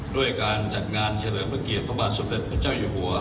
ด้วยการจัดงานเฉลิมพระเกียรติพระบาทสมเด็จพระเจ้าอยู่หัว